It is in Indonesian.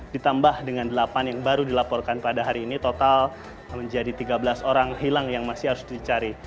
ditambah dengan delapan yang baru dilaporkan pada hari ini total menjadi tiga belas orang hilang yang masih harus dicari